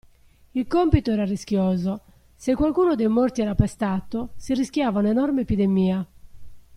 Il compito era rischioso: se qualcuno dei morti era appestato, si rischiava un'enorme epidemia.